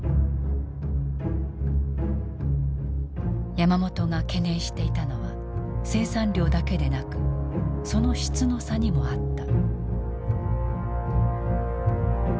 山本が懸念していたのは生産量だけでなくその質の差にもあった。